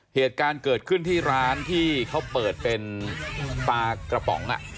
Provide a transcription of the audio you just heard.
เหตุการณ์เกิดขึ้นที่ร้านที่เขาเปิดเป็นปลากระป๋อง